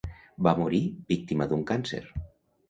Va morir víctima d'un càncer.